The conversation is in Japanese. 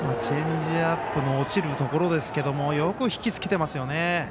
チェンジアップの落ちるところですけれどもよく引きつけてますよね。